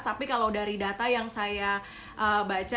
tapi kalau dari data yang saya baca